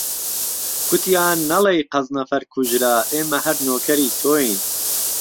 کوتیاننهڵێی قهزنەفەر کوژرا ئێمه هەر نوکەری تۆین